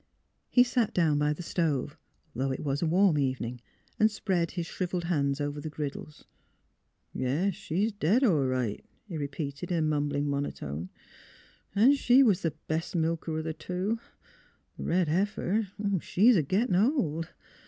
He sat down by the stove, though it was a warm evening, and spread his shrivelled hands over the griddles. '' Yes; she's dead, all right," he repeated, in a mumbling monotone, "an' she was the best milker o' the two. Th' red heifer, she's a gittin* old.